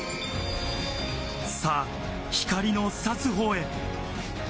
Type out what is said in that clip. さぁ、光のさす方へ。